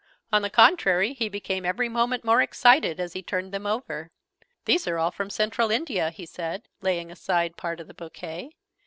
On the contrary, he became every moment more excited as he turned them over. "These are all from Central India!" he said, laying aside part of the bouquet.